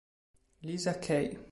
Lisa Kay